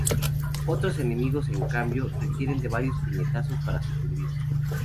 Otros enemigos, en cambio, requieren de varios puñetazos para sucumbir.